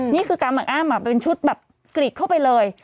นี่คือการเมืองอ้ำเป็นชุดแบบกรีดเข้าไปเลย